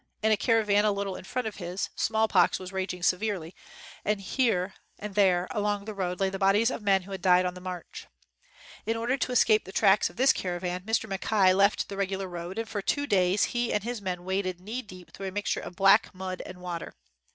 In a caravan a ,41 WHITE MAN OF WORK little in front of his, smallpox was raging severely, and here and there along the road lay the bodies of men who had died on the march. In order to escape the tracks of this caravan, Mr. Mackay left the regular road and for two days he and his men waded knee deep through a mixture of black mud and water.